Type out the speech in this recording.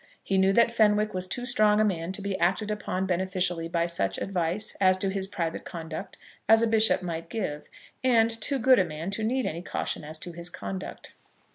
He knew that Fenwick was too strong a man to be acted upon beneficially by such advice as to his private conduct as a bishop might give, and too good a man to need any caution as to his conduct.